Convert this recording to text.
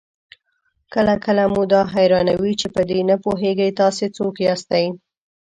کله کله مو دا حيرانوي چې په دې نه پوهېږئ تاسې څوک ياستئ؟